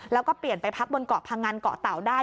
แล้วก็เปลี่ยนไปพักบนเกาะพังอันเกาะเต่าได้